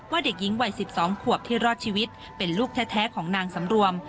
เด็กหญิงวัย๑๒ขวบที่รอดชีวิตเป็นลูกแท้ของนางสำรวม